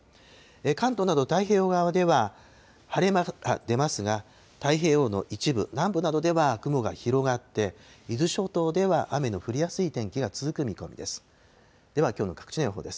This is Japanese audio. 関東など太平洋側では晴れ間が出ますが、太平洋の一部、南部などでは雲が広がって、伊豆諸島では雨の降りやすい天気が続く見込みです。